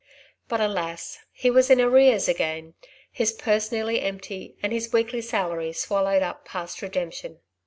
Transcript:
But alas, he was in arrears again, his purse nearly empty, and his weekly salary swallowed up past redemption.